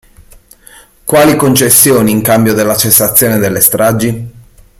Quali concessioni in cambio della cessazione delle stragi?